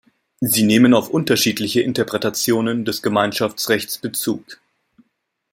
Sie nehmen auf unterschiedliche Interpretationen des Gemeinschaftsrechts Bezug.